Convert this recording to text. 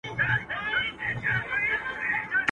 زړونه صبر فیصلو د شنه اسمان ته.